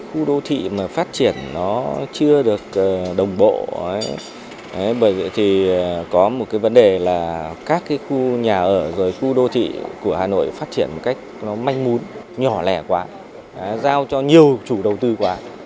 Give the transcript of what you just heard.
khu đô thị mà phát triển nó chưa được đồng bộ bởi vậy thì có một cái vấn đề là các cái khu nhà ở rồi khu đô thị của hà nội phát triển một cách nó manh mún nhỏ lẻ quá giao cho nhiều chủ đầu tư quá